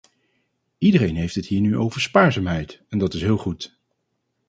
Iedereen heeft het hier nu over spaarzaamheid en dat is heel goed.